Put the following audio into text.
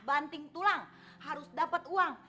banting tulang harus dapat uang